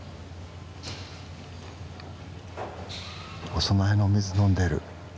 お供えのお水飲んでる。